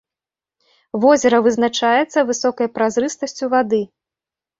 Возера вызначаецца высокай празрыстасцю вады.